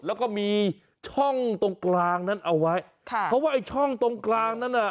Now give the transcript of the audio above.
แล้วก็มีช่องตรงกลางนั้นเอาไว้ค่ะเพราะว่าไอ้ช่องตรงกลางนั้นน่ะ